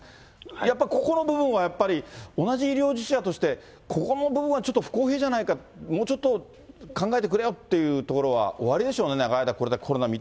やっぱここの部分はやっぱり、同じ医療従事者として、ここの部分はちょっと不公平じゃないか、もうちょっと、考えてくれよっていうところはおありでしょうね、長い間、これだけコロナ診